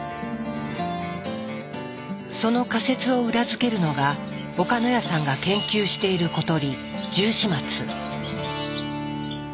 その仮説を裏付けるのが岡ノ谷さんが研究している小鳥